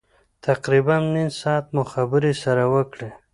تقریبا نیم ساعت مو خبرې سره وکړې.